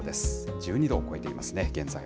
１２度を超えていますね、現在。